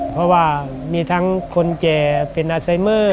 เพราะว่ามีทั้งคนแจเป็นนาซีเมอ์